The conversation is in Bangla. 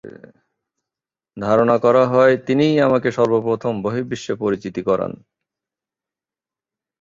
ধারণা করা হয় তিনিই আমকে সর্বপ্রথম বহির্বিশ্বে পরিচিত করান।